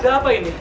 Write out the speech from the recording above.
ada apa ini